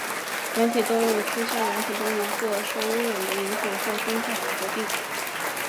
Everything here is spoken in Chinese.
软体动物吃下软体动物或受污染的饮水或生菜而得病。